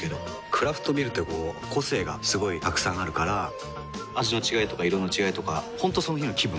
クラフトビールってこう個性がすごいたくさんあるから味の違いとか色の違いとか本当その日の気分。